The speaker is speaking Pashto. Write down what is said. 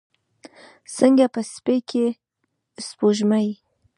څنګه په سیپۍ کې سپوږمۍ